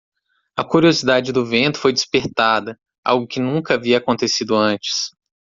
A curiosidade do vento foi despertada? algo que nunca havia acontecido antes.